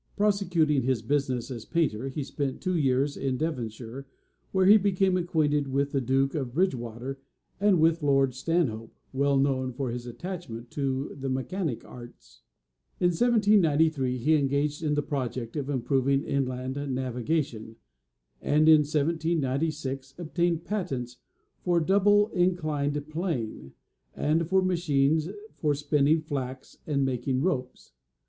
Prosecuting his business as painter, he spent two years in Devonshire, where he became acquainted with the duke of Bridgewater and with lord Stanhope, well known for his attachment to the mechanic arts. In 1793, he engaged in the project of improving inland navigation, and in 1796, obtained patents for a double inclined plane, and for machines for spinning flax and making ropes.